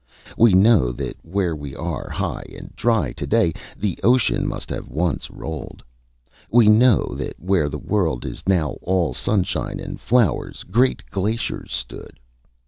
We know that where we are high and dry to day the ocean must once have rolled. We know that where the world is now all sunshine and flowers great glaciers stood.